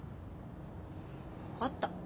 分かった。